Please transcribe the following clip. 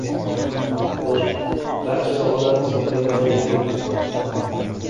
Xo‘sh, barcha sohalari islohga muhtoj bo‘lgan